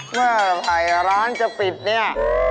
เมื่อไผลร้อนจะปิดนี่